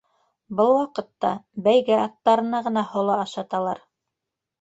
Был ваҡытта бәйге аттарына ғына һоло ашаталар...